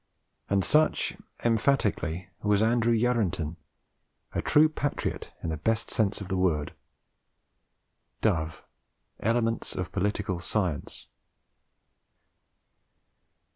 And such, emphatically, was Andrew Yarranton, a true patriot in the best sense of the word." DOVE, Elements of Political Science.